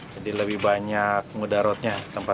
jadi lebih banyak ngedarotnya